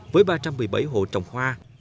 với ba trăm một mươi bảy hộ trồng hoa